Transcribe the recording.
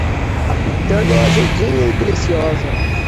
A pitanga é azedinha e deliciosa.